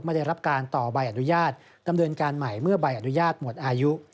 ได้รับการต่อใบอนุญาตดำเนินการใหม่เมื่อใบอนุญาตหมดอายุ